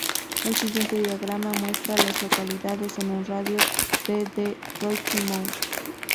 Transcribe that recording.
El siguiente diagrama muestra a las localidades en un radio de de Rocky Mount.